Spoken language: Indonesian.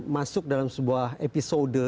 masuk dalam sebuah episode